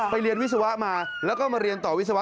เรียนวิศวะมาแล้วก็มาเรียนต่อวิศวะ